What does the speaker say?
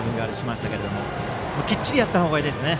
きっちりやった方がいいですね。